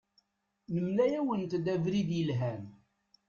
Nemla-awent-d abrid yelhan.